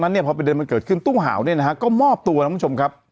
นั้นเพราะประเด็นมันเกิดขึ้นตู้เห่านะครับก็มอบตัวครับ